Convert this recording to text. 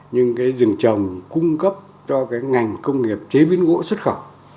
nhưng cái rừng trồng cung cấp cho cái ngành công nghiệp chế biến gỗ xuất khẩu